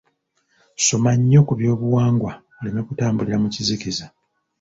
Soma nnyo ku byobuwangwa oleme kutambulira mu kizikiza.